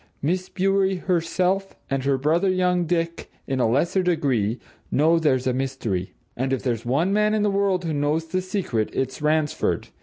Miss Bewery herself, and her brother, young Dick, in a lesser degree, know there's a mystery. And if there's one man in the world who knows the secret, it's Ransford.